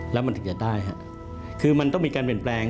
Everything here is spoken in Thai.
แล้วมันถึงจะได้ฮะคือมันต้องมีการเปลี่ยนแปลง